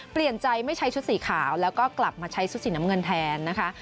เปลี่ยนใจไม่ใช้ชุดสีขาวแล้วก็กลับมาใช้ชุดสีน้ำเงินแทนนะคะ